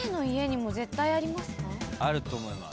あると思います。